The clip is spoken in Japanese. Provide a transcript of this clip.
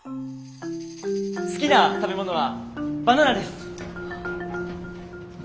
好きな食べ物はバナナです。